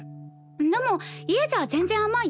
でも家じゃ全然甘いよ。